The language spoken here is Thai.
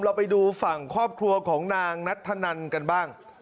เราไปดูฝั่งครอบครัวของนางนัทธนันกันบ้าง